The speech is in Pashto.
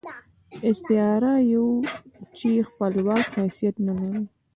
استعاره يو چې خپلواک حيثيت نه لري.